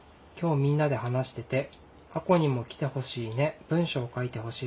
今日みんなで話してて『あこにも来てほしーね』『文章書いてほ